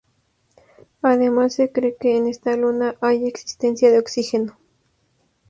Además, se cree que en esta luna, hay existencia de oxígeno.